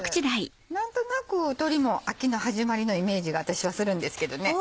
何となく鶏も秋の始まりのイメージが私はするんですけどね。